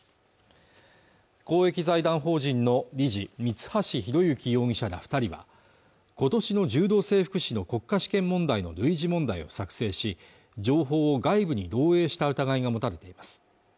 公益財団法人の理事三橋裕之容疑者ら二人はことしの柔道整復師の国家試験問題の類似問題を作成し情報を外部に漏えいした疑いが持たれています